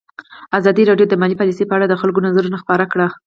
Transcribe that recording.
ازادي راډیو د مالي پالیسي په اړه د خلکو نظرونه خپاره کړي.